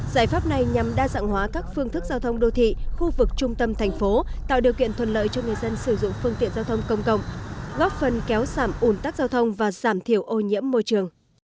giải pháp này nhằm đa dạng hóa các phương thức giao thông đô thị khu vực trung tâm thành phố tạo điều kiện thuận lợi cho người dân sử dụng phương tiện giao thông công cộng góp phần kéo giảm ủn tắc giao thông và giảm thiểu ô nhiễm môi trường